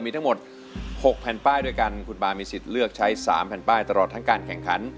มีทั้งหมด๖แผ่นป้ายด้วยกันคุณบาร์มีสิทธิ์เลือกใช้๓แผ่นป้ายตลอดทั้งการแข่งขัน